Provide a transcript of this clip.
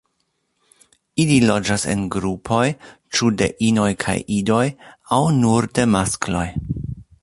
Ili loĝas en grupoj ĉu de inoj kaj idoj aŭ nur de maskloj.